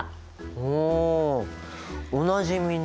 おおなじみの水